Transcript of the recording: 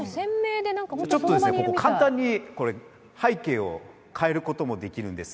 ちょっとここ、簡単に背景を変えることもできるんです。